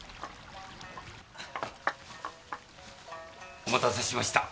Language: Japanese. お待たせしました。